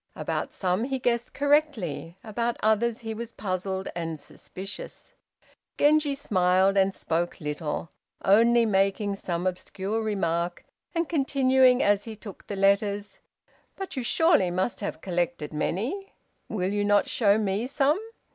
About some he guessed correctly, about others he was puzzled and suspicious. Genji smiled and spoke little, only making some obscure remark, and continuing as he took the letters: "but you, surely, must have collected many. Will not you show me some?